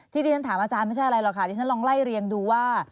ที่ที่ฉันถามอาจารย์ไม่ใช่อะไรหรอกค่ะที่ฉันลองไล่เรียงดูว่า